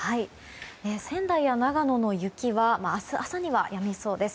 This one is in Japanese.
仙台や長野の雪は明日朝にはやみそうです。